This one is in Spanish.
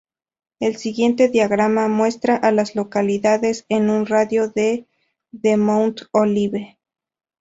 El siguiente diagrama muestra a las localidades en un radio de de Mount Olive.